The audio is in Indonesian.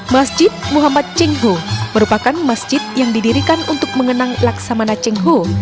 masjid muhammad cengho merupakan masjid yang didirikan untuk mengenang laksamana cengho